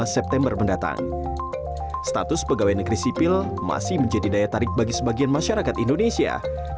september mendatang status pegawai negeri sipil masih menjadi daya tarik bagi sebagian masyarakat indonesia